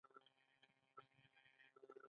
زه د موبایل له لارې شاعري لیکم.